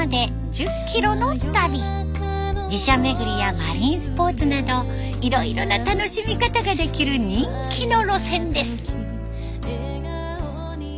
寺社巡りやマリンスポーツなどいろいろな楽しみ方ができる人気の路線です。